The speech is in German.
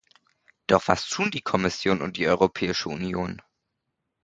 Doch was tun die Kommission und die Europäische Union?